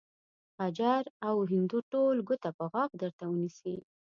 غجر او هندو ټول ګوته په غاښ درته ونيسي.